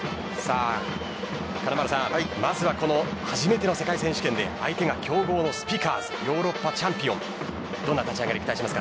まずは初めての世界選手権で相手が強豪のスピカーズヨーロッパチャンピオンです。